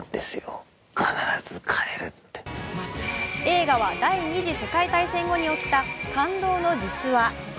映画は第二次世界大戦後に起きた感動の実話。